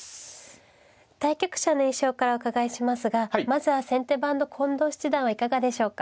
対局者の印象からお伺いしますがまずは先手番の近藤七段はいかがでしょうか。